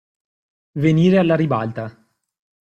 Venire alla ribalta.